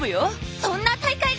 そんな大会が⁉